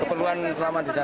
keperluan selamat disana ya